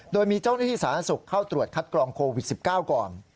โดยมีเจ้าหน้าที่สาธารณสุขเข้าตรวจคัดกรองโควิด๑๙ก่อน